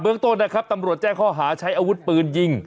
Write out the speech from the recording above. อ่ะเบื้องต้นแหนะครับตำรวจแจกข้อหาใช้อาวุธปืนยิง